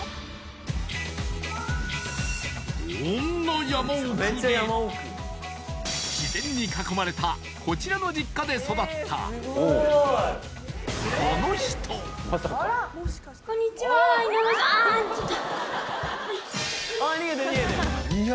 こんな山奥で自然に囲まれたこちらの実家で育ったこんにちは井上